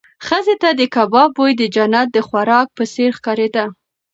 ښځې ته د کباب بوی د جنت د خوراک په څېر ښکارېده.